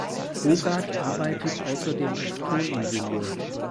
Bogert arbeitet außerdem als Toningenieur.